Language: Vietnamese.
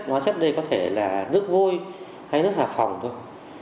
hóa chất đây có thể là nước vôi hay nước xà phòng thôi